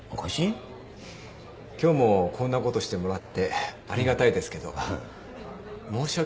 今日もこんなことしてもらってありがたいですけど申し訳ないなって。